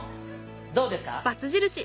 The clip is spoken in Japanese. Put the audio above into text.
どうですか？